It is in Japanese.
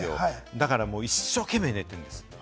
だから一生懸命、寝てる。